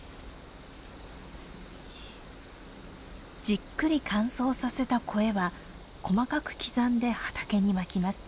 じっくり乾燥させたコエは細かく刻んで畑にまきます。